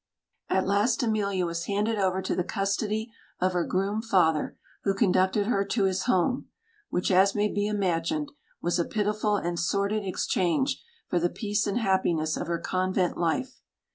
At last Emilia was handed over to the custody of her groom father, who conducted her to his home, which, as may be imagined, was a pitiful and sordid exchange for the peace and happiness of her convent life.